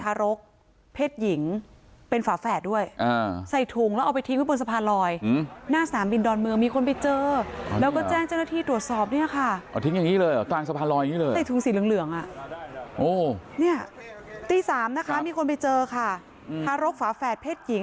อ่ะโอ้เนี่ยตีสามนะคะมีคนไปเจอค่ะหารกฝาแฝดเพศหญิง